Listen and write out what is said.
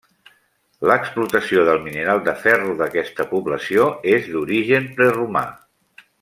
L'explotació del mineral de ferro d'aquesta població és d'origen preromà.